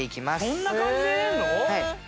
そんな感じで入れるの？